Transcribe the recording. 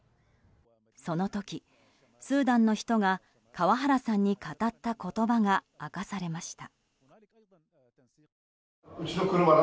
その時、スーダンの人が川原さんに語った言葉が明かされました。